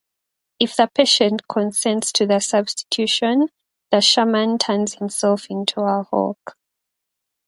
If the patient consents to the substitution, the shaman turns himself into a hawk.